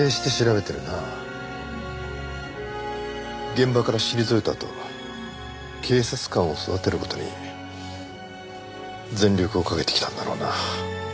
現場から退いたあと警察官を育てる事に全力をかけてきたんだろうな。